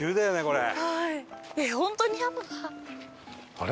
あれ？